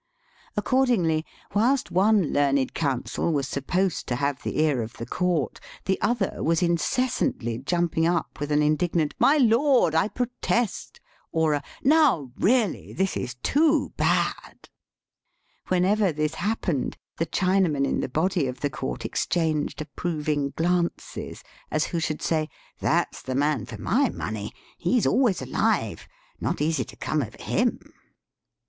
Accordingly, whilst one learned counsel was supposed to have the ear of the court, the other was incessantly jumping up with an indignant, " My lord, I protest," or a *^Now, really this is too bad." Whenever this happened the Chinamen in the body of the court exchanged approving glances, as Digitized by VjOOQIC 140 EAST BY WEST. who should say, " That's the man for my money. He's always alive, not easy to come over him.